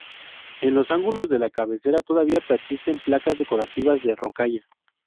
En los ángulos de la cabecera todavía persisten placas decorativas de rocalla.